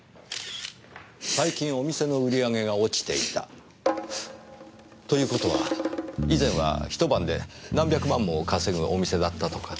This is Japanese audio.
最近お店の売り上げが落ちていた。という事は以前はひと晩で何百万も稼ぐお店だったとか。